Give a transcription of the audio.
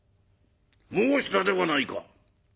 「申したではないか。